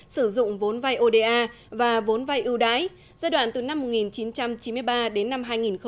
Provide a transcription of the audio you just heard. sử dụng vốn vay oda và vốn vay ưu đái giai đoạn từ năm một nghìn chín trăm chín mươi ba đến năm hai nghìn một mươi bảy